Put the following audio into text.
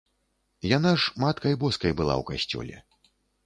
Яна ж маткай боскай была ў касцёле.